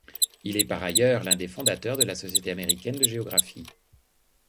Il est, par ailleurs, l'un des fondateurs de la Société américaine de géographie.